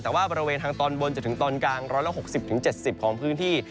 แต่ว่าบริเวณทางตอนบนจนถึงตอนกลาง๑๖๐๗๐ของพื้นที่